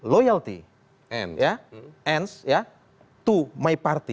loyalitas tertinggi itu adalah kepada partai